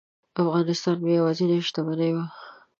افغانستان مې یوازینۍ شتمني وه.